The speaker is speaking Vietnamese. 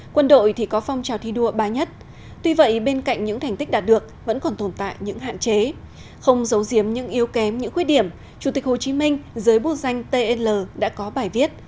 quân đội thì có phong trào thi đua ba nhất tuy vậy bên cạnh những thành tích đạt được vẫn còn tồn tại những hạn chế không giấu giếm những yếu kém những khuyết điểm chủ tịch hồ chí minh dưới bộ danh tl đã có bài viết